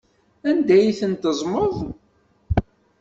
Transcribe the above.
Anda ay ten-teẓẓmeḍ?